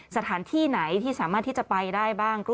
สถานที่ไหนที่สามารถที่จะไปได้บ้าง